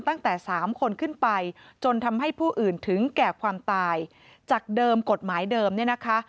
ตั้งแต่สามคนขึ้นไปจนทำให้ผู้อื่นถึงแก่ความตายจากเดิมกฎหมายเดิมเนี่ยนะคะ